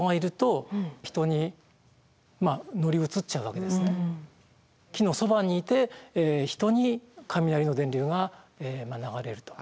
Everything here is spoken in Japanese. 直撃ではなくて木のそばにいて人に雷の電流が流れると。